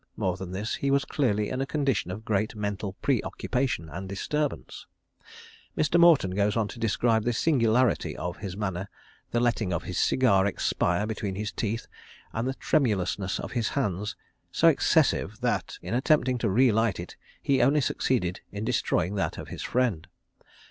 More than this, he was clearly in a condition of great mental pre occupation and disturbance. Mr. Morton goes on to describe the singularity of his manner, the letting his cigar expire between his teeth, and the tremulousness of his hands, so excessive, that in attempting to re light it he only succeeded in destroying that of his friend.